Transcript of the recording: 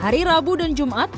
hari rabu dan jumat